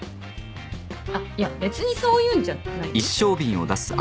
あっいや別にそういうんじゃないよ。